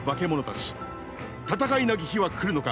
戦いなき日は来るのか。